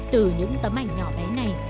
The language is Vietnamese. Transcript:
từ những tấm ảnh nhỏ bé này